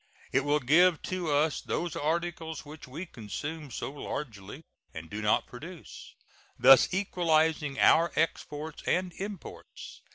It will give to us those articles which we consume so largely and do not produce, thus equalizing our exports and imports.